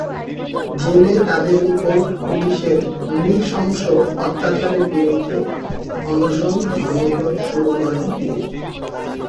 জেলে তাদের উপর পুলিশের নৃশংস অত্যাচারের বিরুদ্ধে অনশন ধর্মঘট শুরু করেন তিনি।